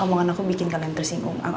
omongan aku bikin kalian tersinggung